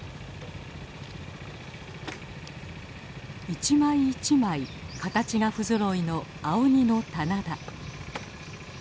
一枚一枚形がふぞろいの青鬼の棚田。